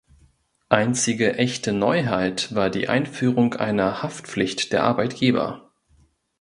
Einzige echte Neuheit war die Einführung einer Haftpflicht der Arbeitgeber.